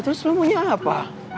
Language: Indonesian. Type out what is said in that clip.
ya terus lo mau nyapa